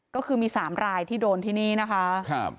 ก็คือมี๓รายที่โดนที่นี่นะคะ